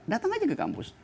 datang aja ke kampus